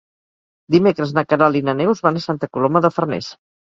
Dimecres na Queralt i na Neus van a Santa Coloma de Farners.